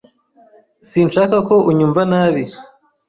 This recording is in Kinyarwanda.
Sinshaka ko unyumva nabi.